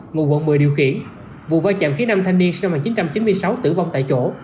ngụ quận một mươi điều khiển vụ vai chạm khiến năm thanh niên sinh năm một nghìn chín trăm chín mươi sáu tử vong tại chỗ